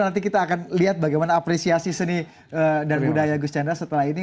nanti kita akan lihat bagaimana apresiasi seni dan budaya gus chandra setelah ini